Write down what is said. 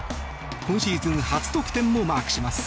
今シーズン初得点もマークします。